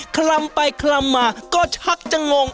คลำไปคลำมาก็ชักจะงง